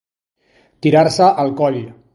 Tirar-se al coll.